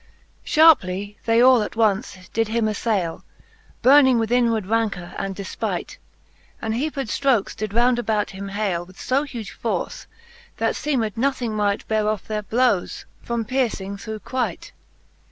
Sharpely they all attonce did him aflaile, Burning with inward rancour and defpight, And heaped ftrokes did round about him haile With fo huge force, that feemed nothing might Beare off their blowes, from piercing thorough quite.